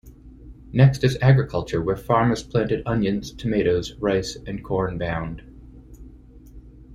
Next is agriculture where farmers planted onions, tomatoes, rice and corn bound.